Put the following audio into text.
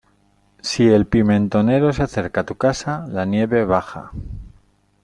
Si el pimentonero se acerca a tu casa, la nieve baja.